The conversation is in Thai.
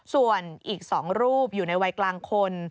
ส่วนอีก๒รูปอยู่ในวัยกลางคน